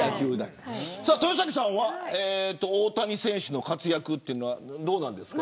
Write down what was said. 豊崎さんは大谷選手の活躍どうなんですか。